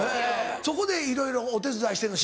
そこでいろいろお手伝いしてるの？